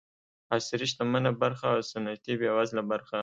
عصري شتمنه برخه او سنتي بېوزله برخه.